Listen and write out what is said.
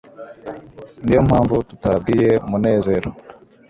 niyo mpamvu tutabwiye munezero